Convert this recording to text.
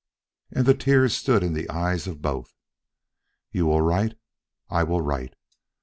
And the tears stood in the eyes of both. "You will write?" "I will write."